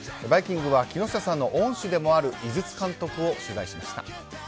「バイキング」は木下さんの恩師でもある井筒監督を取材しました。